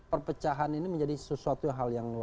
perpecahan ini menjadi sesuatu hal yang luas